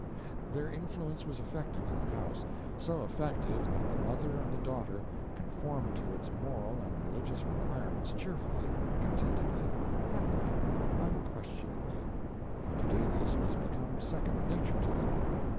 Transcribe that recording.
Their influence was effective in the house; so effective that the mother and the daughter conformed to its moral and religious requirements cheerfully, contentedly, happily, unquestionably. To do this was become second nature to them.